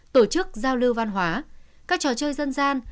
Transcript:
tổ chức giao lưu văn hóa các trò chơi dân gian